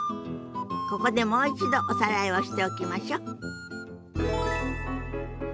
ここでもう一度おさらいをしておきましょ。